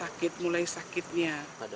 sakit mulai sakitnya